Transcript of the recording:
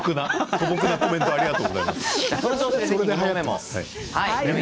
素朴な声ありがとうございます。